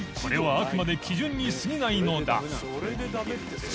あくまで基準にすぎないのだ磴